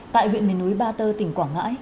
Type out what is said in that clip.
tại huyện mền núi ba tơ tỉnh quảng ngãi